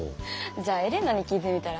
じゃあエレナに聞いてみたら？